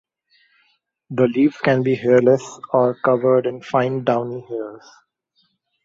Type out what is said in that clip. The leaves can be hairless or covered in fine downy hairs.